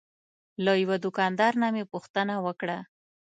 له یوه دوکاندار نه مې پوښتنه وکړه.